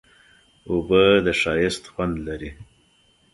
اوبه د ښایست خوند لري.